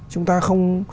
chúng ta không